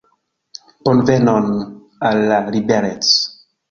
Bonvenon, Al la liberec'